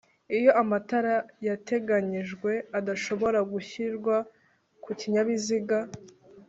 Iyo amatara yateganyijwe adashobora gushyirwa ku kinyabiziga